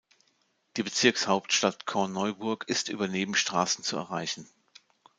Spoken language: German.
Die Bezirkshauptstadt Korneuburg ist über Nebenstraßen zu erreichen.